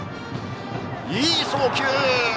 いい送球！